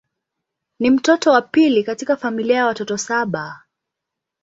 Ni mtoto wa pili katika familia ya watoto saba.